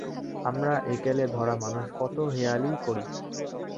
আমরা একেলেধরা মানুষ কত হেঁয়ালিই করি।